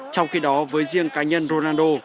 trong khi đó với riêng cá nhân ronaldo